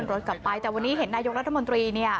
กลับขึ้นรถกลับไปแต่วันนี้เห็นนายยกรัฐมนตรี